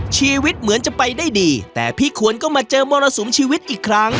ชีวิตเหมือนจะไปได้ดีแต่พี่ควรก็มาเจอมรสุมชีวิตอีกครั้ง